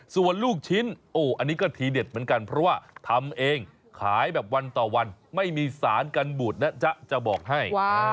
ส่วนลูกชิ้นโอ้อันนี้ก็ทีเด็ดเหมือนกันเพราะว่าทำเองขายแบบวันต่อวันไม่มีสารกันบูดนะจ๊ะจะบอกให้